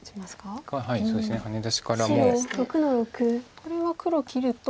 これは黒切ると。